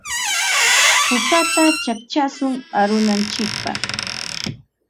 Kukata chaqchashun arunantsikpaq.